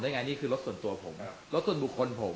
ไงนี่คือรถส่วนตัวผมนะครับรถส่วนบุคคลผม